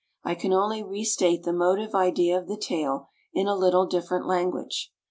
I can only restate the motive idea of the tale in a little different language.